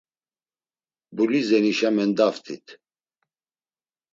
Bulizenişa mendaft̆it.